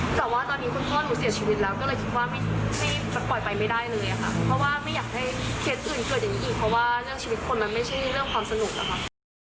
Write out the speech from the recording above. เพราะว่าเรื่องชีวิตคนมันไม่ใช่เรื่องความสนุกนะคะ